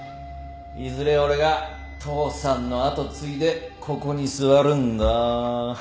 いずれ俺が父さんの跡継いでここに座るんだ。